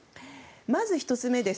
まず、１つ目です。